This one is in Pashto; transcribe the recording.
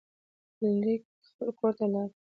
فلیریک خپل کور ته لاړ.